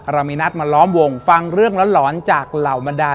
เรามีนัดมาล้อมวงฟังเรื่องหลอนจากเหล่าบรรดาล